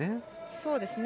そうですね。